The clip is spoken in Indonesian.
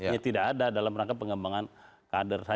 ya tidak ada dalam rangka pengembangan kader saja